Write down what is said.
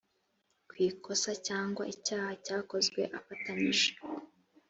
rw ikosa cyangwa icyaha cyakozwe afatanyije